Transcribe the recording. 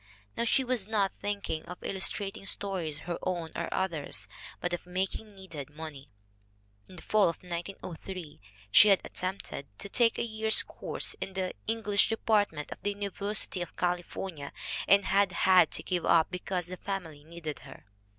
Now she was not thinking of illustrating stories, her own or others', but of making needed money. In the fall of 1903 she had KATHLEEN NORRIS 73 attempted to take a year's course in the English de partment of the University of California and had had to give it up because the family needed her.